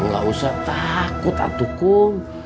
enggak usah takut atukum